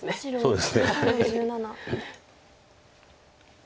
そうですね。